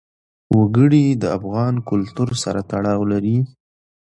وګړي د افغان کلتور سره تړاو لري.